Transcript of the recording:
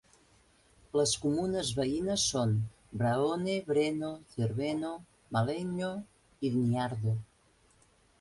Les comunes veïnes són Braone, Breno, Cerveno, Malegno i Niardo.